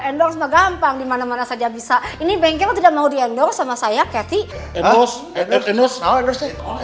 endorse gampang dimana mana saja bisa ini bengkel tidak mau diendorse sama saya cathy